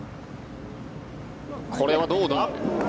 これはどうだ？